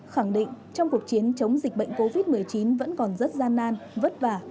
khẳng định trong cuộc chiến chống dịch bệnh covid một mươi chín vẫn còn rất gian nan vất vả